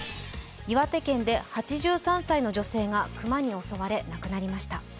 岩手県で８３歳の女性が熊に襲われ亡くなりました。